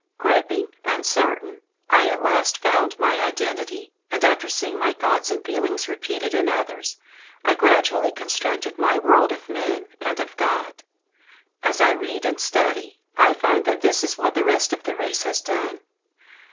Groping, uncertain, I at last found my identity, and after seeing my thoughts and feelings repeated in others, I gradually constructed my world of men and of God. As I read and study, I find that this is what the rest of the race has done.